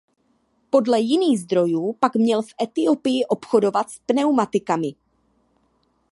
Podle jiných zdrojů pak měl v Etiopii obchodovat s pneumatikami.